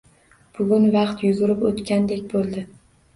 Bugun vaqt yugurib o`tgandek bo`ldi